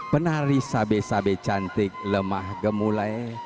penari sabe sabe cantik lemah gemulai